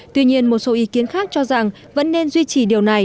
tuy nhiên một số ý kiến khác cho rằng vẫn nên duy trì điều này